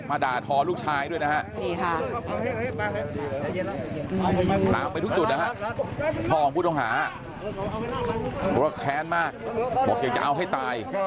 มาด่าทอลูกชายด้วยนะคะมีค่ะ